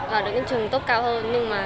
vào được những trường tốt cao hơn nhưng mà